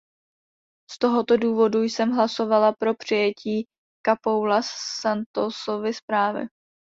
Z tohoto důvodu jsem hlasovala pro přijetí Capoulas Santosovy zprávy.